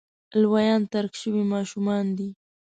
لویان ترک شوي ماشومان دي.